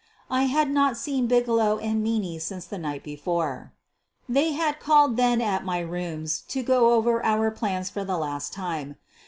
I had not seen Bigelow and Meaney since the night before. They had called then at my rooms to go over our plans for the last time.